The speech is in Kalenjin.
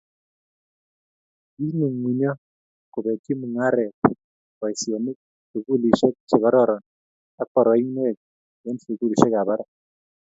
Kingungunyo kobetyi mungaret, boisionik, sukulisiek chekororon ak poroinwek eng sukulisiekap barak